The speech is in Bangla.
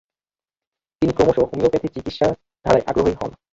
তিনি ক্রমশ হোমিওপ্যাথি চিকিৎসা ধারায় আগ্রহী হন।